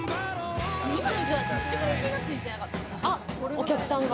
お客さんが。